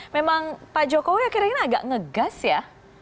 memang pak jokowi akhirnya agak ngegas ya